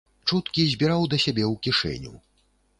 Чуткі збіраў да сябе ў кішэню.